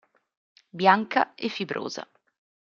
Bianca e fibrosa.